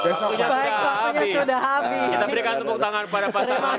kepala nya sudah habis